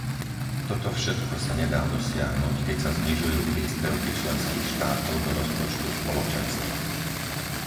Toto všetko sa nedá dosiahnuť, keď sa znižujú príspevky členských štátov do rozpočtu Spoločenstva.